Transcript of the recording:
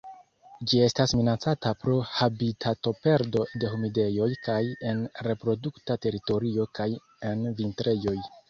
Ĝi estas minacata pro habitatoperdo de humidejoj kaj en reprodukta teritorio kaj en vintrejoj.